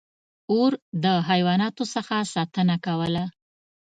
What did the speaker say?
• اور د حیواناتو څخه ساتنه کوله.